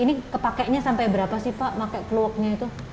ini kepakenya sampai berapa sih pak pakai kluwaknya itu